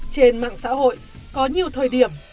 trên mạng xã hội có nhiều thời điểm